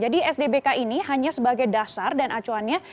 jadi sdbk ini hanya sebagai dasar dan acuannya